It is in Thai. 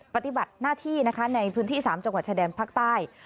ปฏิบัติหน้าที่นะคะในพื้นที่๓จังหวัดชายแดนภาคใต้